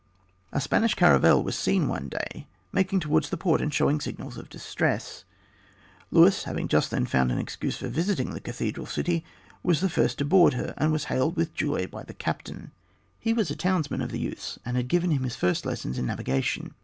A Spanish caravel was seen one day, making towards the port and showing signals of distress. Luis, having just then found an excuse for visiting the Cathedral city, was the first to board her and was hailed with joy by the captain. He was a townsman of the youth's and had given him his first lessons in navigation.